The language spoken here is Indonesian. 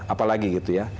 apalagi gitu ya